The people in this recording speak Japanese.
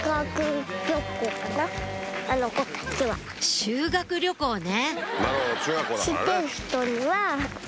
修学旅行ね！